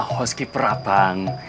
host keeper abang